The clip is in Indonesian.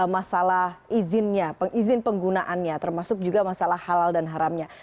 masalah izinnya izin penggunaannya termasuk juga masalah halal dan haramnya